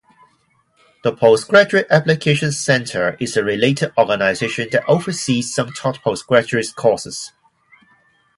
The Postgraduate Applications Centre is a related organisation that oversees some taught postgraduate courses.